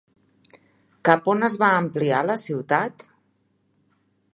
Cap a on es va ampliar la ciutat?